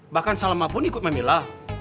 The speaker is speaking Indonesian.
bahkan salma pun ikut memilah